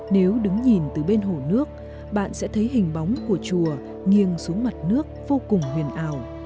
nếu đứng nhìn từ bên hồ nước bạn sẽ thấy hình bóng của chùa nghiêng xuống mặt nước vô cùng huyền ảo